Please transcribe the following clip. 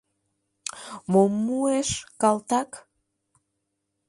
Мом муэш, калтак?